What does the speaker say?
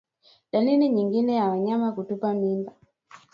Dalili nyingine ni wanyama kutupa mimba